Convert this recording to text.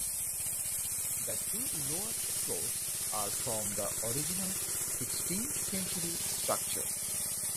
The two lower floors are from the original sixteenth century structure.